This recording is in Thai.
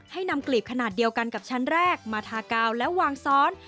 ให้นำกลีบขนาดเดียวกันกับชั้นแรกมาทากาวแล้ววางซ้อน